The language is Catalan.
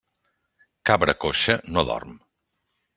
Cabra coixa no dorm.